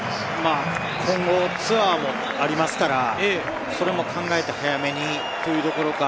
今後、ツアーもありますから、それも考えて早めにというところか。